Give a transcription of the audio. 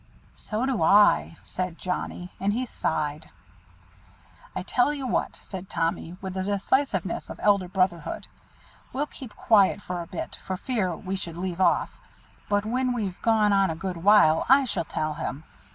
"So do I," said Johnnie; and he sighed. "I tell you what," said Tommy, with the decisiveness of elder brotherhood, "we'll keep quiet for a bit for fear we should leave off; but when we've gone on a good while, I shall tell him.